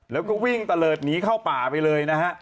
แล้วก็วิ่งตะเลิศหนีเข้าป่าไปเลยนะฮะ